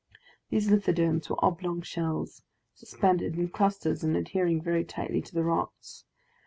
These lithodomes were oblong shells, suspended in clusters and adhering very tightly to the rocks.